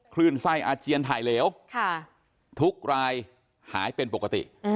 คลื่นไส้อาเจียนถ่ายเหลวทุกรายหายเป็นปกติ